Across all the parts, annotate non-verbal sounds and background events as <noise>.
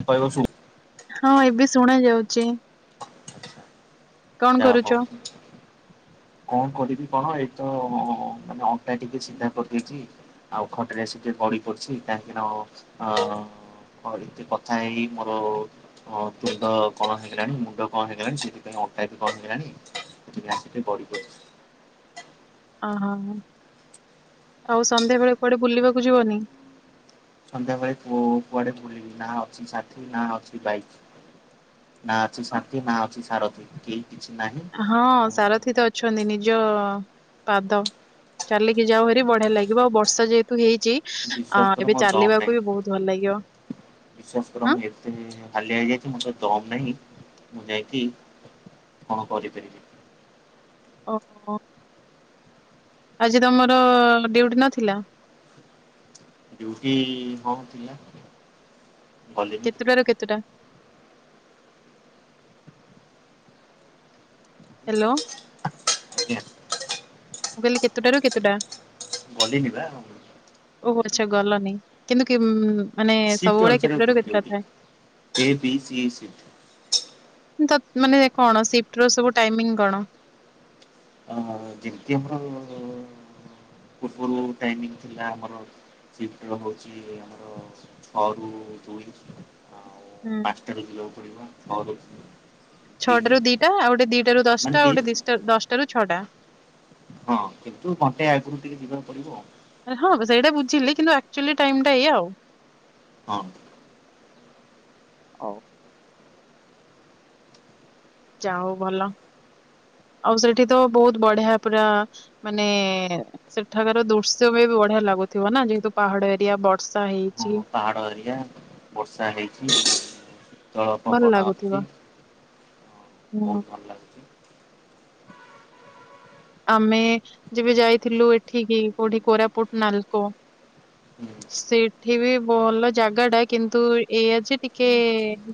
ପ <unintelligible> ହଁ ଏବେ ଶୁଣା ଯାଉଚି। ଯା କରୁଛ? ହଉ କଣ କରିବି କଣ ଏଇତ ମାନେ ଅଟା ଟିକେ <unintelligible> ଆଉ ଖଟରେ ଆସିକି ଟିକେ ଗଡି ପଡିଚି କାହିଁକିନା ଅ ହଁ ଏମତି କଥା ହେଇ ମୋର ହଁ ତୁଣ୍ଡ କଣ ହେଇଗଲାଣି ମୁଣ୍ଡ କଣ ହେଇଗଲାଣି ସେଇଥିପାଇଁ ଅ <unintelligible> ବନ୍ଦ ହେଲାଣି ସେଠିକି ଆସିକି ବଢିବେ। ଅହୋ ଆଉ ସନ୍ଧ୍ୟାବେଳେ କୁଆଡେ ବୁଲିବାକୁ ଯିବନି? ସନ୍ଧ୍ୟାବେଳେ କୁ କୁଆଡେ ବୁଲିବି ନା ଅଛି ସାଥିୀ ନା ଅଛି ବାଇକ୍। ନା ଅଛି ସାଥୀ ନା ଅଛି ସାରଥୀ କେହି କିଛି ନାହିଁ। ହଁ ମୁଁ ସାରଥିୀ ତ ଅଛନ୍ତି ନିଜ ପାଦ। ଚାଲିକି ଯାଉହାରି ବଢିଆ ଲାଗିବ ଆଉ ବର୍ଷା ଯେହେତୁ ହେଇଚି ଅ- ବିଶ୍ୱାସ କର ଏବେ ମୋର ଦମ୍ ନାହିଁ ଚାଲିବାକୁ ବି ବହୁତ୍ ଭଲ ଲାଗିବ। ବିଶ୍ୱାସ କର ହଁ। ମୁଁ ଏତେ ହାଲିଆ ହେଇଯାଇଚି <unintelligible> ଦମ୍ ନାହିଁ ମୁଁ ଯାଇକି କଣ କରିପାରିବି। ଓ ହୋ। ଆଜି ତମର ଡ୍ୟୁଟି ନଥିଲା? ଡିୟୁଟି ହଁ ଥିଲା। ଗଲିନି କେତୁଟାରୁ କେତେଟା? ହାଲୋ। ଆ- ଆଜ୍ଞା। ମୁଁ କହିଲି କେତେଟାରୁ କେତେଟା? ଗଲିନି ବା। ଓହୋ ଆଛା ଗଲନି କିନ୍ତୁ କିମ୍ ମାନେ ସିଫ୍ଟ ସବୁବେଳେ ଅନୁସାରେ କେତୁଟାରୁ କେତେଟା ଡ୍ୟୁଟି ଥାଏ? ଏ ବି ସି ସିଫ୍ଟ ତ ମାନେ କଣ ସିଫ୍ଟ୍ ର ସବୁ ଟାଇମିଂ କଣ? ଯେମିତି ଆମର ପୂର୍ବରୁ ଟାଇମିଙ୍ଗ୍ ଥିଲା ଆମର ସିଫ୍ଟ୍ ରହୁଚି ଆମର ଛଅ ରୁ ଦୁଇ ଆଉ ହୁଁ। କାଲି ଯିବାକୁ ପଡିବ ଛଅ ରୁ ଦୁଇ। ଛଅ ଟାରୁ ଦିଟା ଆଉ ଗୋଟେ ଦିଟାରୁ ମାନେ ଦଶଟା ଆଉ ଗୋଟେ ତିନି ଦିଶ୍ ଟା -ଦଶ୍ ଟାରୁ ଛଅଟା। ହଁ କିନ୍ତୁ ମତେ ଆଗୁରୁ ଟିକେ ଯିବାକୁ ପଡିବ ଆଉ। ହଁ ସେଇଟା ବୁଝିଲି କିନ୍ତୁ ଆକ୍ଚୁଆଲି ଟାଇମ୍ ଟା ଏଇଆ ଆଉ। ହଁ। ହଉ। ଯାହଉ ଭଲ ଆଉ ସେଇଠି ତ ବହୁତ୍ ବଢିଆ ପୁରା ମାନେ ସେଠାକାର ଦୃଶ୍ୟ ବି ବଢିଆ ଲାଗୁଥିବ ନା ଯେହେତୁ ପାହାଡ ଏରିଆ ବ ବର୍ଷା ହଁ ହେଇଚି। ପାହାଡ଼ ଏରିଆ ବର୍ଷା ହେଇଚି ଶୀତଳ ଭଲ ପବନ ଲାଗୁଥିବ ଆସୁଚି। ହୁଁ। ଲାଗୁଛି ଆମେ ଯବେ ଯାଇଥିଲୁ ଏଠିକି କଉଠି କୋରାପୁଟ୍, ନାଲକୋ। ହୁଁ। ସେଠ୍ ସେଠି ବି ଭଲ ଜାଗା ଟା କିନ୍ତୁ ଏଇଆ ଯେ ଟିକେ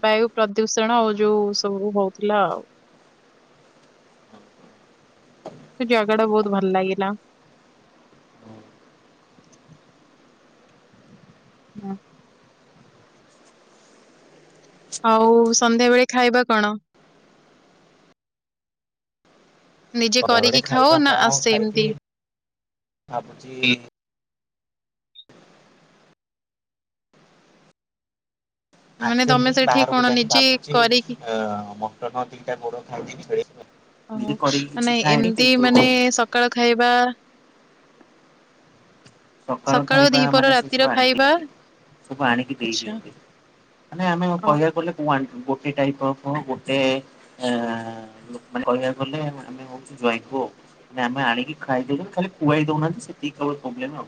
ବାୟୁ ପ୍ର ଦୁଷଣ ଆଉ ଯଉ ସବୁ ହଉଥିଲା ଆଉ। ଜାଗା ଟା ବହୁତ୍ ଭଲ ଲାଗିଲା। ହଁ। ଆଉ ସନ୍ଧ୍ୟାବେଳେ ଖାଇବା କଣ? ନିଜେ ସଦାବେଳେ କରିକି ଖାଅ ଖାଇବା ନା ଆ ସେମତି? ଭାବୁଚି ମାନେ ତମେ ଆସେନି ସେଠି ବାହାରକୁ କଣ ଯାଇକି ନିଜେ ଭାବୁଛି କରିକି ଅ ମଟନ ଦିଟା ଗୋଡ ଖାଇଦେବି ପଳେଇ ଆସିବି ଆଉ। ଓହୋ ମାନେ ଏମିତି ମାନେ ସକାଳ ଖାଇବା ସକାଳ ଖାଇବା ଦିପହର ମାନେ ସେ ରାତିର ସବୁ ଆଣି ଖାଇବା ଦିଅନ୍ତି ସବୁ ଆଣିକି ଦେଇ ଆଚ୍ଛା ଦିଅନ୍ତି। ମାନେ ଆମେ ଓ କହିବାକୁ ଗଲେ କୁଆଣି ଗୋଟେ ଟାଇପ ଅଫ ଗୋଟେ ଆ ଲୋକ ମାନେ କହିବାକୁ ଗଲେ ଆ ଆମେ ହଉଛୁ ଜ୍ୱାଇଁ ପୁଅ ଆଉ। ନାଇଁ ଆମେ ଆଣିକି ଖାଇଦେଲୁ ଖାଲି ଖୁଆଇ ଦଉନାହାନ୍ତି ସେତିକି କେବଳ କମ୍ପ୍ଲେନ ଆଉ।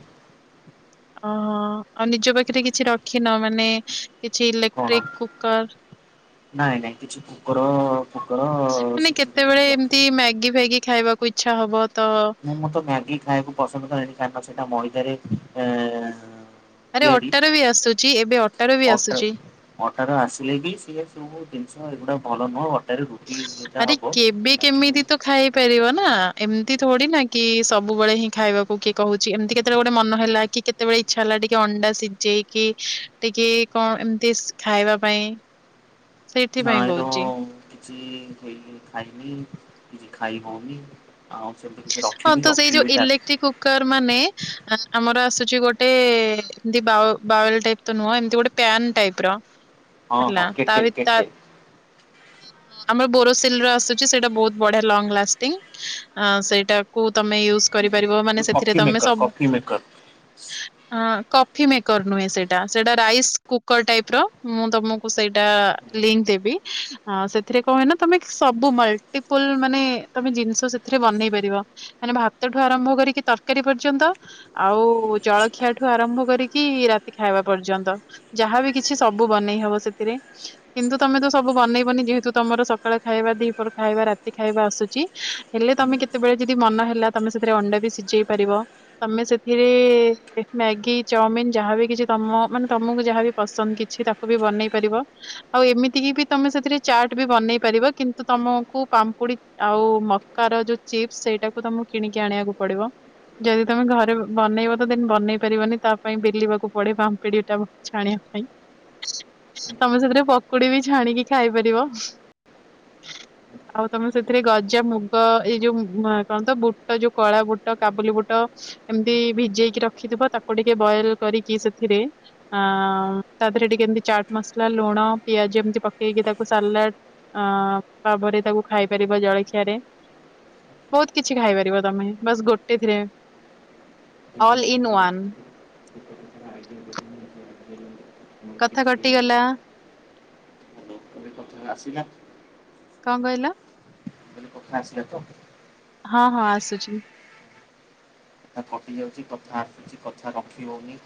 ଓହୋ ଆଉ ନିଜ ପାଖରେ କିଛି ରଖିନ ମାନେ କିଛି କଣ? Electric cooker? ନାଇଁ ନାଇଁ କିଛି କୁକର ଫୁକର ମାନେ ସିଟି ଫିଟି କେତେବେଳେ କିଛି ଏମିତି ରଖିନି। ମ୍ୟାଗି ଫ୍ୟାଗି ଖାଇବାକୁ ଇଚ୍ଛା ହବ ତ ନାଁ ମୁଁ ତ ମ୍ୟାଗି ଖାଇବାକୁ ପସନ୍ଦ କରେନି କାରଣ ସେଇଟା ମଇଦାରେ ଏଁ ଆରେ ଅଟାରେ ବି ଆସୁଛି ଏବେ ଅଟାରେ ବି ଆସୁଛି। ଅଟାରେ ଆସିଲେ ବି ସିଏ ସବୁ ଜିନିଷ ଏଗୁଡା ଭଲ ନୁହଁ ଆଉ ଅ ଟା ରେ ରୁଟି ଯେଟା ହବ ମ୍ୟାଗି କଲେ। ପାରିବ ନା ଏମିତି ଥୋଡି ନା କି ସବୁବେଳେ ହିଁ ଖାଇବାକୁ କିଏ କହୁଛି ଏମିତି କେତେବେଳେ ଗୋଟେ ମନ ହେଲା କି କେତ କେତେବେଳେ ଇଚ୍ଛା ହେଲା ଟିକେ ଅଣ୍ଡା ସିଜେଇକି ଟିକେ କଣ ଏମତି ସ ଖାଇବା ପାଇଁ। ହ ନାଇଁ ଲୋ କିଛି ହେଇ ଖାଇନି କିଛି ଖାଇ ହଉନି। ଆଉ ସେମିତି କିଛି ରଖିନି ରଖିବି ଆସ କର ମାନେ ଆ ଆମର ଆସୁଛି ଗୋଟେ ଏମତି ବାଓ ବାୱଲ ଟାଇ ତ ନୁହଁ ଏମିତି ଗୋଟେ ପ୍ୟାନ୍ ଟାଇପ ର ହଁ ହେଲା ହଁ ତା କେଟେଲ ଭିତ ତା କେଟେଲ। ଓହୋ ଆମର ବୋରୋସିଲ ର ଆସୁଛି ସେଇଟା ବହୁତ ବଢିଆ ଲଙ୍ଗ ଲାଷ୍ଟିଂ ଆ ସେଇ ଟାକୁ ତମେ ୟୁଉଜ୍ କରିପାରିବ ମାନେ ଯୋଉ ସେଥିରେ କଫି ତମେ ମେକର ସ କଫି ମେକର। ହଁ କଫି ମେକର ନୁହେଁ ସେଇଟା ସେଇଟା ରାଇସ କୁକର ଟାଇପ ର ମୁଁ ତମକୁ ସେଇଟା ଲିଙ୍କ ଦେବି ଆ ସେଥିରେ କଣ ହୁଏ ନା ତମେ ସବୁ ମଲ୍ଟି ପୁଲ ମାନେ ତମେ ଜିନିଷ ସେ ଥିରେ ବନେଇ ପାରିବ ମାନେ ଭାତଠୁ ଆରମ୍ଭ କରିକି ତରକାରୀ ପର୍ଯ୍ୟନ୍ତ ଆଉ ଜଳଖିଆ ଠୁ ଆରମ୍ଭ କରିକି ରାତି ଖାଇବା ପର୍ଯ୍ୟନ୍ତ। ଯାହାବି କିଛି ସବୁ ବନେଇ ହବ ସେତିରେ। କିନ୍ତୁ ତମେ ତ ସବୁ ବନେଇବନି ଯେହେତୁ ତମର ସକାଳେ ଖାଇବା ଦି ପର ଖାଇବା ରାତି ଖାଇବା ଆସୁଚି। ହେଲେ ତମେ କେତେବେଳେ ଯଦି ମନ ହେଲା ତମେ ସେଥିରେ ଅଣ୍ଡା ବି ସିଝେଇ ପାରିବ। ତମେ ସେଥିରେ ମ୍ୟାଗି ଚାଓମିିନ ଯାହାବି କିଛି ତମ ମାନେ ତମକୁ ଯାହାବି ପସନ୍ଦ କିଛି ତା ତାକୁ ବି ବନେଇ ପାରିବ। ଆଉ ଏମିତି କିି ବି ତମେ ସେଥିରେ ଚାଟ୍ ବି ବନେଇ ପାରିବ କିନ୍ତୁ ତମକୁ ପାମ୍ପୁଡି ଆଉ ମ କାର ଯୋଉ ଚିପ୍ସ ସେଇଟାକୁ ତମକୁ କିଣିକି ଆଣିବାକୁ ପଡିବ। ଯଦି ତମେ ଘରେ ବନେଇବ ତ ଦେନ ବନେଇ ପାରିବନି ତା ପାଇଁ ବେଲିବାକୁ ପଡେ ପାମ୍ପିଡି ଟାକୁ। ଛାଣିବା ପାଇଁ। ତମେ ସେଥିରେ ପକୁଡି ବି ଛାଣିକି ଖାଇପାରିବ। ଆଉ ତମେ ସେଥିରେ ଗଜା ମୁଗ ଏଇ ଯୋଉ ହୁଁ ଆ କଣ ତ ବୁଟ ଯୋଉ କଳା ବୁଟ କାବୁଲି ବୁଟ। ଏମତି ଭିଜେଇକି ରଖିଥିବ ତାକୁ ଟିକେ ବଏଲ କରିକି ସେଥିରେ ଆ ତା ଦେହରେ ଟିକେ ଏମିତି ଚାଟ ମସଲା ଲୁଣ ପିଆଜ ଏମିତି ପକେଇକି ତାକୁ ସାଲାଡ ଅ ପରେ ତାକୁ ଖାଇ ପାରିବ ଜଳଖିଆରେ। ବହୁତ କିଛି ଖାଇପାରିବ ତମେ ବାସ୍ ଗୋଟେ ଥିରେ ଅଲ ଇନ୍ ୱନ। <inaudible> କଥା କଟିଗଲା। ଆସିନାହାନ୍ତି? କଣ କହିଲ? ଲୋକ ଆସିଲେ ତ? ହଁ ହଁ ଆସୁଛି। ଥା କଟି ଯାଉଛି କଥା ଆସୁଛି କଥା ରଖି ହଉନି।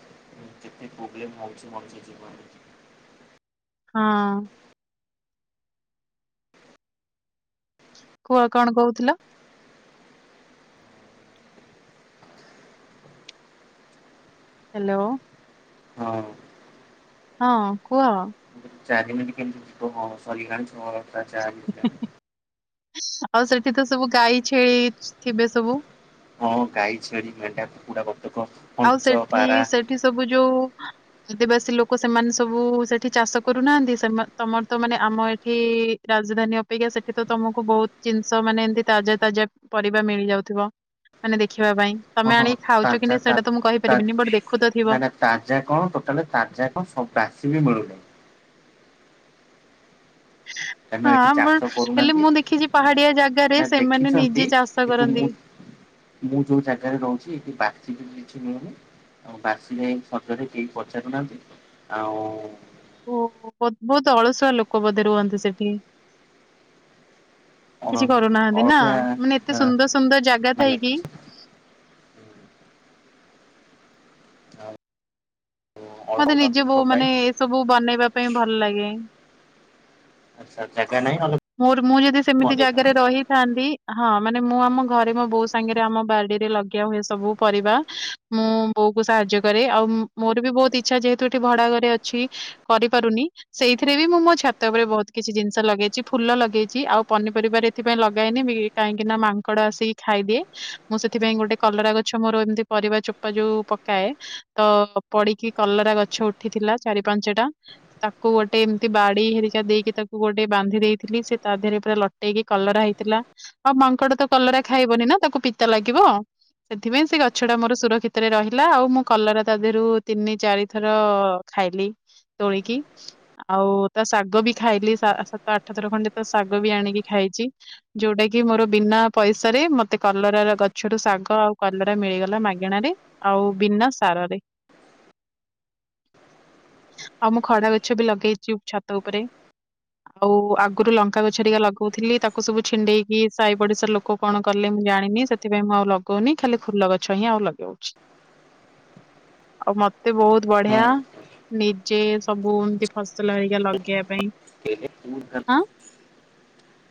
କେତେ ପ୍ରୋବ୍ଲେମ ହଉଛି ମୋ ଜୀବନରେ। ହଁ। କୁହ କଣ କହୁଥିଲ? ହାଲୋ। ହଁ। ହଁ କୁହ? ଚାରିଦିନି କେମିତି ଯିବ କଣ ସରିଗଲାଣି। <unintelligible> ଆଉ ସେଠି ତ ସବୁ ଗାଈ ଛେ ଥିବେ ସବୁ? ହଁ ଗାଈ ଛେଳି ମେଣ୍ଢା କୁକୁଡା ବତକ ପଞ୍ଚ ପାରା। କି ସବୁ ଯୋଉ। ଆଦିବାସୀ ଲୋକ ସେମାନେ ସବୁ ସେଠି ଚାଷ କରୁନାହାନ୍ତି ସେମା ତମର ତ ମାନେ ଆମ ଏଠି। ରାଜଧାନୀ ଅପେକ୍ଷା ସେଠି ତ ତମୁକୁ ବହୁତ ଜିନିଷ ମାନେ ଏମତି ତାଜା ତାଜା ପରିବା ମିଳିଯାଉଥିବ। ମାନେ ଦେଖିବା ପାଇଁ ହଁ ତମେ ହଁ ଆଣିକି ଖାଉଛ କି ତାଜା ନା ତା ସେଇଟା ତ ମୁଁ ତା କହିପାରିବିନି ବଟ୍ ଦେଖୁ ତ ନା ଥିବ। ନା ତାଜା କଣ ଟୋଟାଲେ ତାଜା କଣ ସବୁ ଚାଷୀ ବି ମିଳୁନାହିଁ। କାରଣ ଏଠି ହଁ ଚାଷ ବଲ୍ ହେଲେ କରୁନାହାନ୍ତି ମୁଁ ଦେଖିଛି ପାହାଡିଆ ଜାଗାରେ ନା ସେମାନେ ଦେଖିଛନ୍ତି ନିଜେ ଚାଷ କିନ୍ତୁ ମୁଁ କରନ୍ତି। ମୁଁ ଯୋଉ ଜାଗାରେ ରହୁଛି ଏଠି ବାକଛି ବି କିଛି ରୁହେନି। ଆଉ ବାସି ଯାଇଁ ଖଟରେ କେହି ପଚାରୁନାହାନ୍ତି ଆଉ। ଓ ବୋଧ ବହୁତ୍ ଅଳସୁଆ ଲୋକ ବୋଧେ ରୁହନ୍ତି ସେଠି? କିଛି କରୁନାହାନ୍ତି ନା ଅଳସୁଆ ମାନେ ଏତେ ସୁନ୍ଦର ସୁନ୍ଦର ଜାଗା ମାନେ ଥାଇକି। <unintelligible> ମତେ ଦୁଃଖ ନିଜକୁ ପାଇଁ ମାନେ ଏସବୁ ବନେଇବା ପାଇଁ ଭଲ ଲାଗେ। ଆଚ୍ଛା ଆଚ୍ଛା କାନାଇଁ <unintelligible> ମୋର ମୁଁ ଯଦି ସେମିତି ଜାଗାରେ ରହିଥାନ୍ତି। ହଁ ମାନେ ମୁଁ ଆମ ଘରେ ମୋ ବୋଉ ସାଙ୍ଗରେ ଆମ ବାଡିରେ ଲଗେଇବା ହୁଏ ସବୁ ପରିବା। ମୁଁ ବୋଉ କୁ ସାହାଯ୍ୟ କରେ ଆଉ ମୋର ବି ବହୁତୁ ଇଛା ଯେହେତୁ ଏଠି ଭଡା ଘରେ ଅଛି କରିପାରୁନି। ସେଇଥିରେ ବି ମୁଁ ମୋ ଛାତ ଉପରେ ବହୁତ କିଛି ଜିନିଷ ଲଗେଇଚି। ଫୁଲ ଲଗେଇଚି ଆଉ ପନିପରିବାରେ ଏଥିପାଇଁ ଲଗାହେଇନି ବି କାହିଁକି ନା ମାଙ୍କଡ ଆସିକି ଖାଇଦିଏ। ମୁଁ ସେଥିପାଇଁ ଗୋଟେ କଲରା ଗଛ ମୋର ଏମତି ପରିବା ଚୋପା ଯୋଉ ପକାଏ ତ। ପଡିକି କଲରା ଗଛ ଉଠିଥିଲା ଚାରି ପାଞ୍ଚଟା। ତାକୁ ଗୋଟେ ଏମତି ବାଡି ହେରିକା ଦେଇକି ତାକୁ ଗୋଟେ ବାନ୍ଧି ଦେଇ ଥିଲି ସେ ତା ଦେହରେ ପୁରା ଲଟେଇକି କଲରା ହେଇଥିଲା। ଆଉ ମାଙ୍କଡ ତ କଲରା ଖାଇବନି ନା ତାକୁ ପିତା ଲାଗିବ। ସେଥିପାଇଁ ସେ ଗଛ ଟା ମୋର ସୁରକ୍ଷିତରେ ରହିଲା ଆଉ ମୁଁ କଲରା ତା ଦେହରୁ ତିନି ଚାରିଥର। ଖାଇଲି ତୋଳିକି ଆଉ ତା ଶାଗ ବି ଖାଇଲି ସା ସାତ ଆ ଠଥର ଖଣ୍ଡେ ତା ଶାଗ ବି ଆଣିକି ଖାଇଚି। ଯୋଉଟା କି ମୋର ବିନା ପଇସା ରେ ମତେ କଲରା ର ଗଛ ରୁ ଶାଗ ଆଉ କଲରା ମିଳିଗଲା ମାଗେଣାରେ। ଆଉ ବିନା ସାରରେ। ଆଉ ମୁଁ ଖଡ଼ା ଗଛ ବି ଲଗେଇଚୁ ଛାତ ଉପରେ। ଆଉ ଆଗରୁ ଲଙ୍କା ଗଛ ହେରିକା ଲଗଉଥିଲି, ତାକୁ ସବୁ ଛିଣ୍ଡେଇକି ସାହି ପଡିଶାର ଲୋକ କଣ କଲେ ମୁଁ ଜାଣିନି ସେ ସେଥିପାଇଁ ମୁଁ ଆଉ ଲଗଉନି ଖାଲି ଫୁଲ ଗଛ ହିଁ ଆଉ ଲଗାଉଛି। ଆଉ ମତେ ବହୁତ ହୁଁ ବଢିଆ ନିଜେ ସବୁ ଏମତି ଫସଲ ହରିକା ଲଗେଇବା ପାଇଁ। <unintelligible> ଆଁ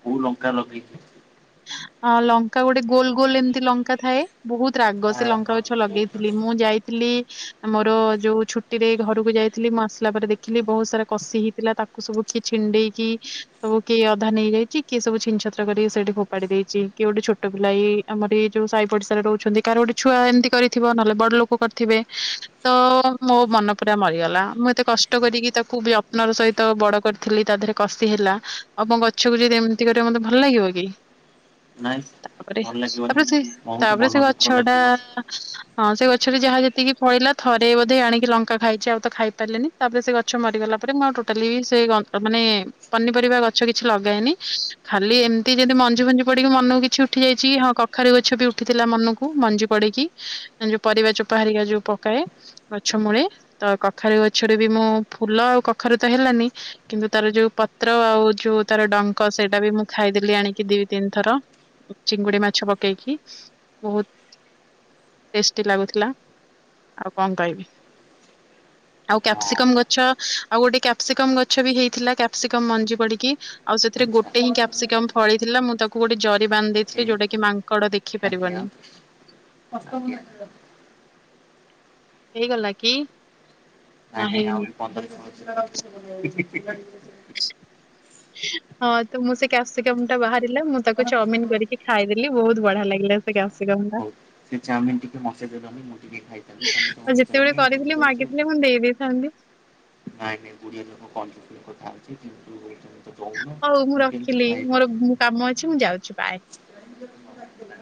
କୋଉ ଲଙ୍କା ଲଗେଇଥିଲେ? ହଁ ଲଙ୍କା ଗୋଟେ ଗୋଲ ଗୋଲ ଏମିତି ଲଙ୍କା ଥାଏ, ବହୁତ ତ ରାଗ ଆ ସେ ଲଙ୍କା ହଁ ଗଛ ବହୁତ ଲଗେଇଥିଲି ଅଛି। ମୁଁ ଯାଇ ଥିଲି ମୋର ଯୋଉ ଛୁଟିରେ ଘରକୁ ଯାଇଥିଲି ମୁଁ ଆସିଲା ପରେ ଦେଖିଲି ବହୁତ ସାରା କଷି ହେଇଥିଲା ତା କୁ ସବୁ କି ଛିଣ୍ଡେଇ କି ସବୁ କିଏ ଅଧା ନେଇଯାଇଛି କିଏ ସବୁ ଛିିନ ଛତ୍ର କରିକି ସେଇଠି ଫୋପାଡି ଦେଇଛି କିଏ ଗୋଟେ ଛୋଟ ପିଲା ଏ ଆମର ଏଇ ଯୋଉ ସାହି ପଡିଶାରେ ରହୁଛନ୍ତି କାହାର ଗୋଟେ ଛୁଆ ଏମିତି କରିଥିବ ନହେଲେ ବଡ ଲୋକ କରିଥିବେ। ତ ମୋ ମନ ପୁରା ମରିଗଲା ମୁଁ ଏତେ କଷ୍ଟ କରିକି ତାକୁ ବିପ୍ନର ସହିତ ବଡ କରିଥିଲି ତା ଦେହରେ କଷି ହେଲା ଆଉ ମ ଗଛକୁ ଯଦି ଏମିତି କରିବ ମତେ ଭଲ ଲାଗିବ କି? ନାଇଁ ତାପରେ ଭଲ ଲାଗିବନି ତାପରେ ସେ ବହୁତ ତାପରେ ମନ ସେ ଦୁଃଖ ଗଛ ଟା ଲାଗିବ ହଁ ସେ ଗଛରେ ଯାହା ଯେତିକି ଫଳିଲା ଥରେ ବୋଧେ ଆଣିକି ଲଙ୍କା ଖାଇଛି ଆଉ ତ ଖାଇ ପାରିଲିନି। ତାପରେ ସେ ଗଛ ମରିଗଲା ପରେ ମୁଁ ଟୋଟାଲି ସେ ଗ ମାନେ ପନିପରିବା ଗଛ କିଛି ଲଗାଏନି ଖାଲି ଏମିତି ଯଦି ମଞ୍ଜି ଫଞ୍ଜି ପଡିକି ମନକୁ କିଛି ଉଠି ଯାଇଛି କି ହଁ କଖାରୁ ଗଛ ବି ଉଠିଥିଲା ମନକୁ ମଞ୍ଜି ପଡିକି ଯୋଉ ପରିବା ଚୋପାହାରିକା ଯୋଉ ପକାଏ। ଗଛ ମୂଳେ ତ କଖାରୁ ଗଛରେ ବି ମୁଁ ଫୁଲ ଆଉ କଖାରୁ ତ ହେଲାନି କିନ୍ତୁ ତାର ଯୋଉ ପ୍ ତ୍ର ଆଉ ଯୋଉ ତାର ଡଙ୍କ ସେଇଟା ବି ମୁଁ ଖାଇଦେଲି ଆଣିକି ଦି ତିନି ଥର। ଚିଙ୍ଗୁଡି ମାଛ ପକେଇକି ବହୁତ ଟେଷ୍ଟି ଲାଗୁଥିଲା ଆଉ କଣ କହିବି? ଆଉ ହଁ କ୍ୟାପ୍ସିକମ୍ ଗଛ ଆଉ ଗୋଟେ କ୍ୟାପ୍ସିକମ୍ ଗଛ ବି ହେଇଥିଲା। କ୍ୟାପସିକ ମଞ୍ଜି ପଡିକି ଆଉ ସେଥିରେ ଆଚ୍ଛା ଗୋଟେ ହିଁ କ୍ୟାପ୍ସିକମ୍ ଫଳିଥିଲା ମୁଁ ତାକୁ ଗୋଟେ ଜରି ବାନ୍ଧି ଓକେ ଦେଇଥିଲି ଯୋଉଟା କି ମାଙ୍କଡ ଆଜ୍ଞା ଦେଖିପାରିବନି। <unintelligible> ହେଇଗଲା କି? ନା ନାଇଁ ନାଇଁ ହେଇନି ଆହୁରି ପନ୍ଦର <unintelligible> <inaudible> ହଁ ତ ମୁଁ ସେ କ୍ୟାପସିକମ୍ ଟା ବାହାରିଲା ମୁଁ ତାକୁ ଚାଉମିିନ କରିକି ଖାଇଦେଲି ବହୁତ ବଢିଆ ଲାଗିଲା। ସେ କ୍ୟାପ୍ସିକମ ଟା ହଉ ସେ ଚାଉମିନ ଟିକେ ମତେ ଦେଲନି ମୁଁ ଟିକେ ଖାଇଥାନ୍ତି ତମେ ତମ ଆଉ ଯେତେବେଳେ କରିଥିଲି ମାଗିଥିଲେ ମୁଁ ଦେଇଦେଇଥାନ୍ତି। ନାଇଁ ନାଇ ଗୁଡିଆ ଲୋକ <unintelligible> ହଉ ମୁଁ କେମିତି ରଖିଲି ଖାଇବି ମୋର ମୁଁ କାମ ଅଛି ମୁଁ ଯାଉଛି ବାଏ। <unintelligible> ଥିଲା।